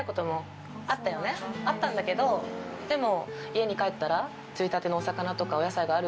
あったんだけどでも。